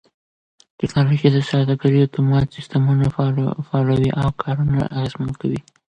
ټکنالوژي د سوداګرۍ اتومات سيستمونه فعالوي او کارونه اغېزمن کوي.